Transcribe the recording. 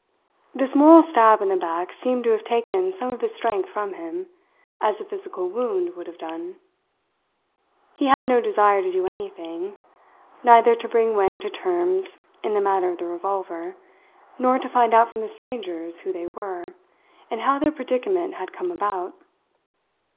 This moral stab in the back seemed to have taken some of his strength from him, as a physical wound would have done. He had no desire to do anything neither to bring Wang to terms in the matter of the revolver nor to find out from the strangers who they were, and how their predicament had come about.